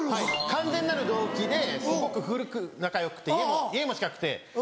完全なる同期ですごく古く仲よくて家も近くて。